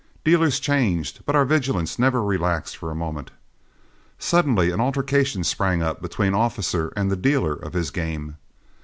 Dealers changed, but our vigilance never relaxed for a moment. Suddenly an altercation sprang up between Officer and the dealer of his game.